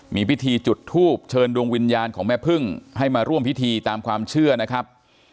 มีพิธีจุดทูบเชิญดวงวิญญาณของแม่พึ่งให้มาร่วมพิธีตามความเชื่อนะครับ